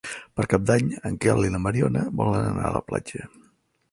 Per Cap d'Any en Quel i na Mariona volen anar a la platja.